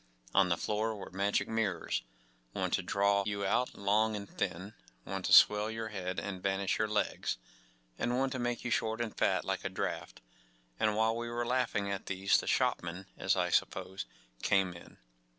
On the floor were magic mirrors: one to draw you out long and thin, one to swell your head and vanish your legs, and one to make you short and fat like a draught; and while we were laughing at these the shopman, as I suppose, came in.